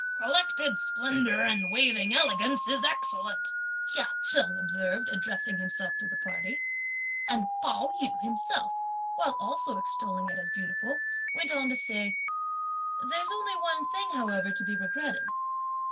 "'Collected splendour and waving elegance' is excellent," Chia Cheng observed addressing himself to the party; and Pao yü himself, while also extolling it as beautiful, went on to say: "There's only one thing however to be regretted!"